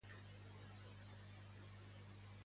En quin departament va començar a treballar de la Seat?